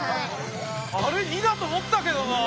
あれ２だと思ったけどなあ。